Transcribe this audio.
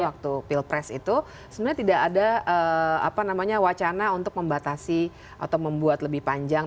waktu pilpres itu sebenarnya tidak ada wacana untuk membatasi atau membuat lebih panjang